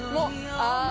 「ああ」